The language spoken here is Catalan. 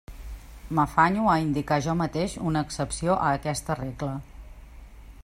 M'afanyo a indicar jo mateix una excepció a aquesta regla.